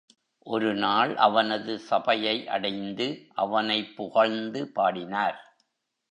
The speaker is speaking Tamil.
ஒருநாள் அவனது சபையை அடைந்து அவனைப் புகழ்ந்து பாடினார்.